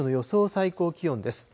最高気温です。